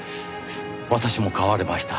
「私も変われました。